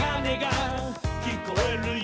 「きこえるよ」